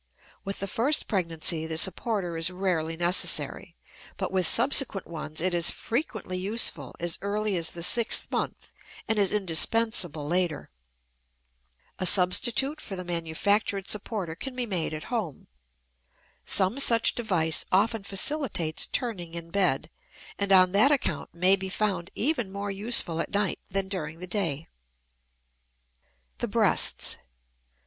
With the first pregnancy the supporter is rarely necessary, but with subsequent ones it is frequently useful as early as the sixth month and is indispensable later. A substitute for the manufactured supporter can be made at home. Some such device often facilitates turning in bed, and on that account may be found even more useful at night than during the day. THE BREASTS.